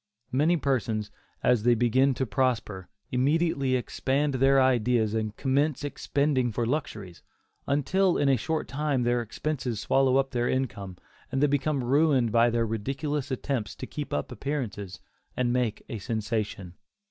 Many persons, as they begin to prosper, immediately expand their ideas and commence expending for luxuries, until in a short time their expenses swallow up their income, and they become ruined in their ridiculous attempts to keep up appearances, and make a "sensation."